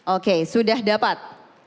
oke sudah dapat